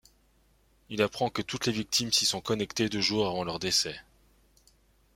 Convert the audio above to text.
Il apprend que toutes les victimes s'y sont connectées deux jours avant leur décès.